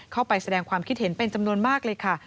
เข้าไปแสดงความคิดเห็นเป็นจำนวนมากเลยค่ะ